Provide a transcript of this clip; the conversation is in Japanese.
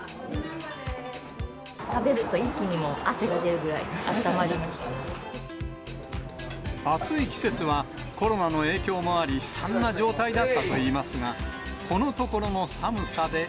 食べると一気に汗が出るぐら暑い季節はコロナの影響もあり、悲惨な状態だったといいますが、このところの寒さで。